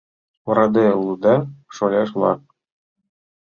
— Ораде улыда, шоляш-влак!